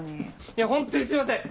いやホントにすいません！